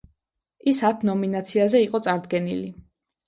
ის ათ ნომინაციაზე იყო წარდგენილი.